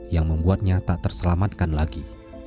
yang membuatnya tak terselamatkan lagi